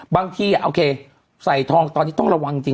บางทีโอเคใส่ทองตอนนี้ต้องระวังจริง